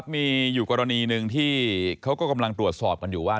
มีอยู่กรณีหนึ่งที่เขาก็กำลังตรวจสอบกันอยู่ว่า